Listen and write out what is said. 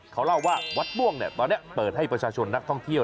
เขาเล่าว่าวัดม่วงเนี่ยตอนนี้เปิดให้ประชาชนนักท่องเที่ยว